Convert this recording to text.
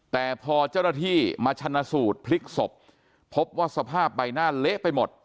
แต่พอเจ้าหน้าที่มาชนะสูตรพลิกศพพบว่าสภาพใบหน้าเละไปหมด